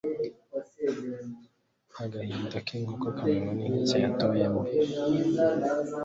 Agahinda k'inkoko kamenywa n'inkike yatoyemo.